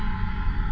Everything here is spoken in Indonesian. aku mau lihat